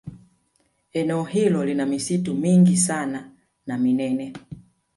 Eneo hilo lina misitu mingi sana na minene